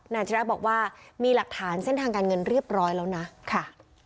อาจาระบอกว่ามีหลักฐานเส้นทางการเงินเรียบร้อยแล้วนะค่ะ